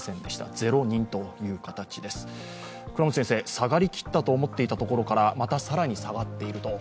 下がりきったと思っていたところから、また更に下がっていると。